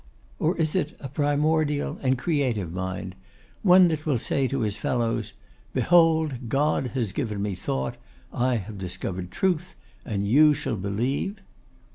Or is it a primordial and creative mind; one that will say to his fellows, 'Behold, God has given me thought; I have discovered truth, and you shall believe?